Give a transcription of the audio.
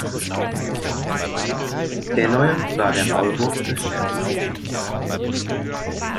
Der Neue war der Maulwurf des Chefs.